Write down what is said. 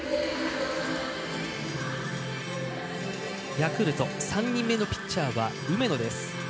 ヤクルト３人目のピッチャーは梅野です。